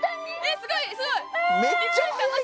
すごいすごい！え！